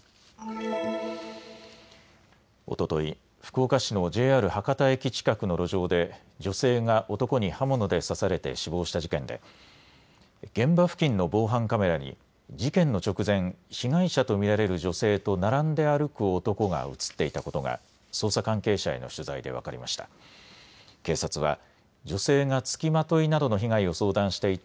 おととい福岡市のＪＲ博多駅近くの路上で女性が男に刃物で刺されて死亡した事件で現場付近の防犯カメラに事件の直前、被害者と見られる女性と並んで歩く男が写っていたことが捜査関係者への取材で分かりました。